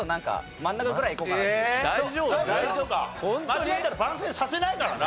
間違えたら番宣させないからな。